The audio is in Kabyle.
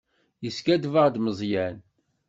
Yeskaddeb-aɣ-d Meẓyan.